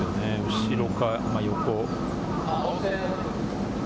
後ろか、横。